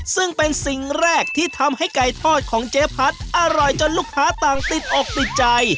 ซึ่งเป็นสิ่งแรกที่ทำให้ไก่ทอดของเจ๊พัดอร่อยจนลูกค้าต่างติดอกติดใจ